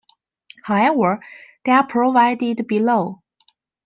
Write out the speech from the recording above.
However, they are provided below.